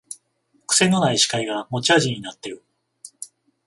くせのない司会が持ち味になってる